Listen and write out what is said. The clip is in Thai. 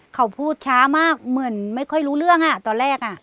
เขาพูดช้ามากเหมือนไม่ค่อยรู้เรื่องอ่ะตอนแรกอ่ะ